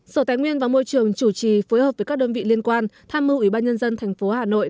sở tài nguyên và môi trường chủ trì phối hợp với các đơn vị liên quan tham mưu ủy ban nhân dân tp hà nội